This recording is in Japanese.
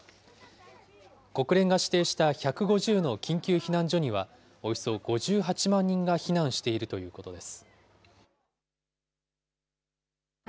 国連が指定した１５０の緊急避難所には、およそ５８万人が避難しているということです。